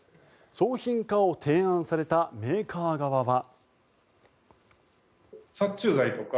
商品化を提案されたメーカー側は。